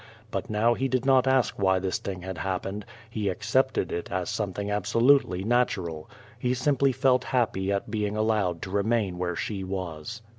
But now he did not ask why this thing had happened. He accepted it as something absolutely natural. He simply felt happy at being allowed to remain where she was.